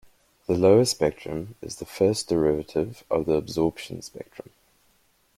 The lower spectrum is the first derivative of the absorption spectrum.